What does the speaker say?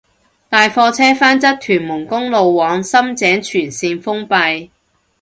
大貨車翻側屯門公路往深井全綫封閉